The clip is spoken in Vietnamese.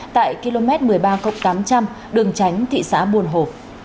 tại km một mươi ba tám trăm linh đường tránh thị xã buồn hồ